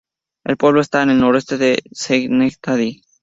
El pueblo está al noroeste de Schenectady.